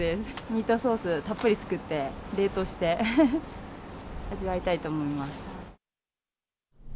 ミートソース、たっぷり作って、冷凍して味わいたいと思います。